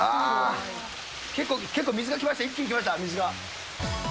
結構、結構水が来ました、一気に来ました、水が。